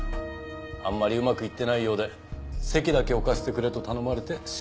あんまりうまくいってないようで籍だけ置かせてくれと頼まれて仕方なく。